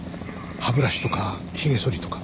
歯ブラシとか髭剃りとか。